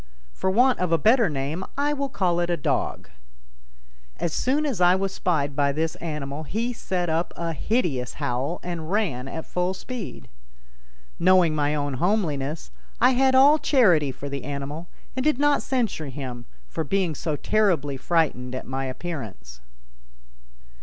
For want of a better name I will call it a "dog." As soon as I was spied by this animal he set up a hideous howl and ran at full speed. Knowing my own homeliness, I had all charity for the animal and did not censure him for being so terribly frightened at my appearance.